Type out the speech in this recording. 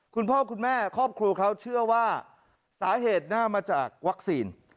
คุณพ่อคุณแม่ครอบครัวเขาเชื่อว่าสาเหตุน่าจะมาจากวัคซีน